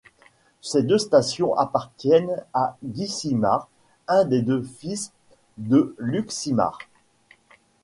Ces deux stations appartiennent à Guy Simard, un des deux fils de Luc Simard.